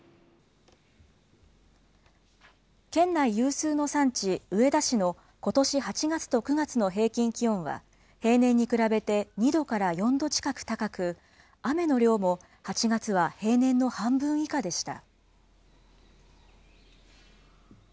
県内有数の産地、上田市のことし８月と９月の平均気温は、平年に比べて２度から４度近く高く、雨の量も８月は平年の半分以下でした。